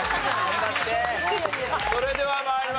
それでは参りましょう。